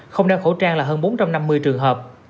không đeo khẩu trang là hơn bốn trăm năm mươi trường hợp